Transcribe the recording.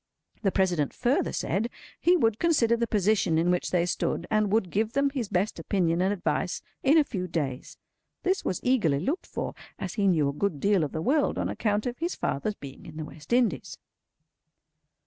The President further said, he would consider the position in which they stood, and would give them his best opinion and advice in a few days. This was eagerly looked for, as he knew a good deal of the world on account of his father's being in the West Indies.